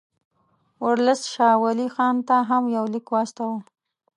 ورلسټ شاه ولي خان ته هم یو لیک واستاوه.